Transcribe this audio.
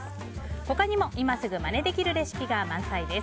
他にも今すぐまねできるレシピが満載です。